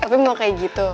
tapi mau kayak gitu